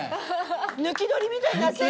抜き取りみたいになってる。